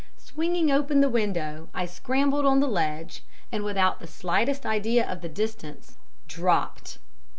Swinging open the window, I scrambled on the ledge, and without the slightest idea of the distance dropped!